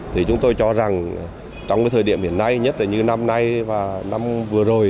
thì chúng tôi cho rằng trong cái thời điểm hiện nay nhất là như năm nay và năm vừa rồi